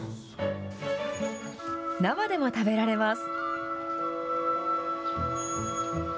生でも食べられます。